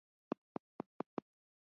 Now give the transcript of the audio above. نن سبا د احمد ژوند ډېر سمسور شوی دی.